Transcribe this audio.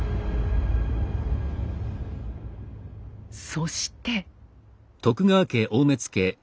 そして。